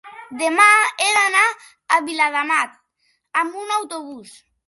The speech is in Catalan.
demà he d'anar a Viladamat amb autobús.